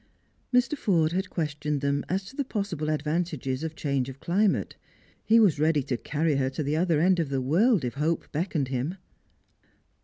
Mr. Forde had questioned them as to the possibile advantages of change of climate. He was ready to carry her to the other end of the world, if Hope beckoned him.